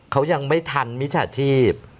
เขายังไม่ทันมิจฉาชีพ